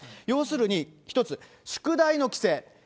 要するに一つ、宿題の規制。